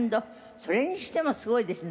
それにしてもすごいですね。